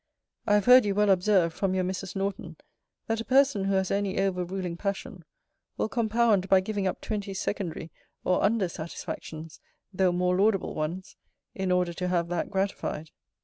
I have heard you well observe, from your Mrs. Norton, That a person who has any over ruling passion, will compound by giving up twenty secondary or under satisfactions, though more laudable ones, in order to have that gratified.